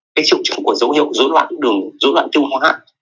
cái chữ chữ của dấu hiệu dối loạn đường dối loạn tiêu hóa